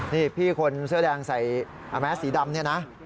นี่พี่คนเสื้อแดงใส่แมสสีดำเนี่ยนะ